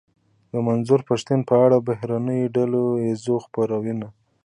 د منظور پښتين په اړه د بهرنيو ډله ايزو خپرونو.